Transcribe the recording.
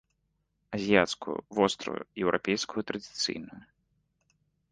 Азіяцкую, вострую, еўрапейскую традыцыйную.